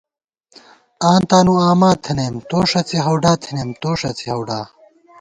آں تانُو اما تھنَئیم، تو ݭَی ہَوڈا تھنَئیم، تو ݭَڅی ہَوڈا